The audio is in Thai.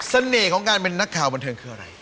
ของการเป็นนักข่าวบันเทิงคืออะไร